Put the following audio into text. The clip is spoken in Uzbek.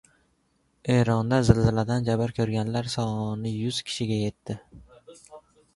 Eronda zilziladan jabr ko‘rganlar soni yuz kishiga yetdi